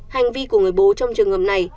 hành vi của người bố trong trường hợp này